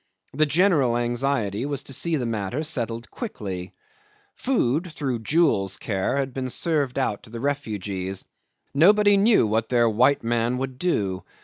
The general anxiety was to see the matter settled quickly. Food, through Jewel's care, had been served out to the refugees. Nobody knew what their white man would do.